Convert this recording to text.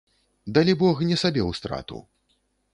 Далібог не сабе ў страту.